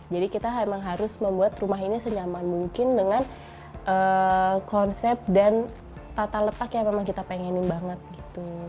jadi kita memang harus membuat rumah ini senyaman mungkin dengan konsep dan tata letak yang memang kita pengenin banget gitu